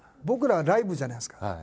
僕らはライブじゃないですか。